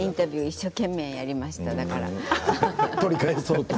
一生懸命やりましただから。